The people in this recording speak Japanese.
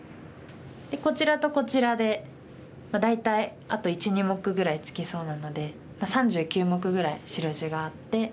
こちらとこちらで大体あと１２目ぐらいつきそうなので３９目ぐらい白地があって。